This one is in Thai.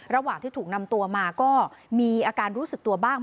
ระหว่างที่ถูกนำตัวมาก็มีอาการรู้สึกตัวบ้าง